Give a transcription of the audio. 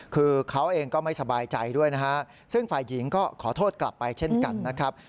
คือเขาเองก็ไม่สบายใจด้วยนะฮะซึ่งฝ่ายหญิงก็ขอโทษกลับไปเช่นกันนะครับ